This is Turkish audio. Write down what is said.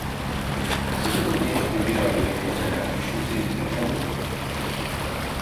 Sizi bu gençle bir arada görseler, düşünsenize ne olurdu?